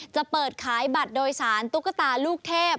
จะเปิดขายบัตรโดยสารตุ๊กตาลูกเทพ